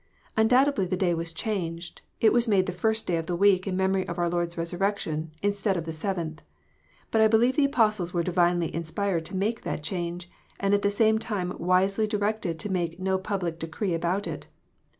Undoubtedly the day was changed : it was made the first day of the week in memory of our Lord s resurrection, instead of the seventh : but I believe the Apostles were divinely inspired to make that change, and at the same time wisely directed to make no public decree about it.